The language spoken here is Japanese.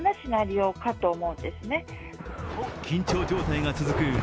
緊張状態が続く